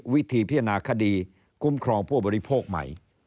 วิธีพิจารณาคดีคุ้มครองผู้บริโภคใหม่